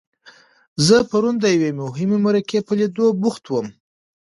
زه پرون د یوې مهمې مرکې په لیدو بوخت وم.